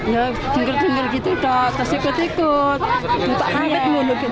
ya jengkel jengkel gitu dok terus ikut ikut